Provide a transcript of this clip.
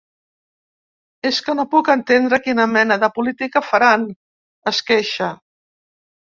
És que no puc entendre quina mena de política faran, es queixa.